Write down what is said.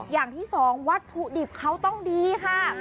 อย่างที่สองวัตถุดิบเขาต้องดีค่ะ